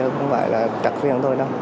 không phải là trật phiền thôi